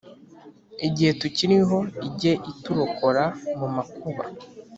igihe tukiriho ijye iturokora mumakuba